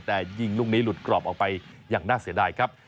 แต่ยิงลูกนี้หลุดกรอบออกไปอย่างน่าเสียดายครับ